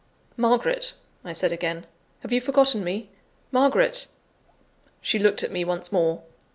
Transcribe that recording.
"Margaret," I said again, "have you forgotten me? Margaret!" She looked at me once more.